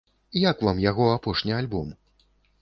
Як вам яго апошні альбом?